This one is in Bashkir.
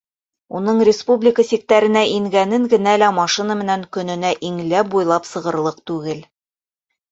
Уның республика сиктәренә ингәнен генә лә машина менән көнөнә иңләп-буйлап сығырлыҡ түгел.